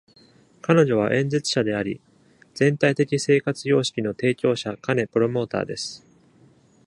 彼女は演説者であり、全体的生活様式の提唱者兼プロモーターです。